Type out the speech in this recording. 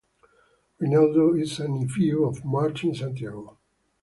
Reynaldo is a nephew of Martin Santiago.